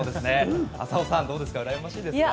浅尾さん、どうですかうらやましいですか。